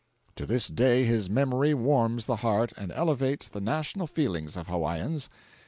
To this day his memory warms the heart and elevates the national feelings of Hawaiians.